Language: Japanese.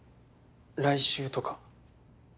来週とか。